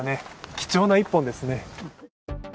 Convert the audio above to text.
貴重な１本ですね。